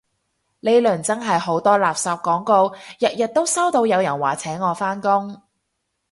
呢輪真係好多垃圾廣告，日日都收到有人話請我返工